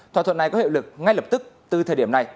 thỏa thuận này có hiệu lực ngay lập tức từ thời điểm này